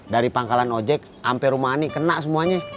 dari pangkalan ojek sampe rumani kena semuanya